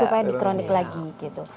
supaya dikronik lagi gitu